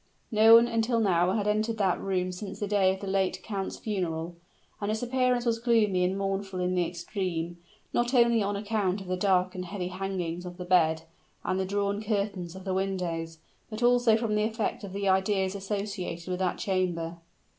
No one until now had entered that room since the day of the late count's funeral; and its appearance was gloomy and mournful in the extreme; not only on account of the dark, heavy hangings of the bed, and the drawn curtains of the windows, but also from the effect of the ideas associated with that chamber.